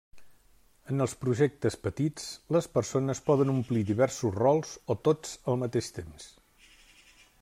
En els projectes petits, les persones poden omplir diversos rols o tots al mateix temps.